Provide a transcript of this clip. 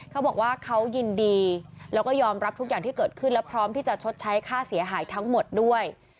เขาบอกว่าเขายินดีแล้วก็ยอมรับทุกอย่างที่เกิดขึ้นและพร้อมที่จะชดใช้ค่าเสียหายทั้งหมดด้วย